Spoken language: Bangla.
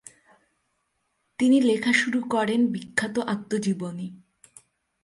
তিনি লেখা শুরু করেন বিখ্যাত আত্মজীবনী।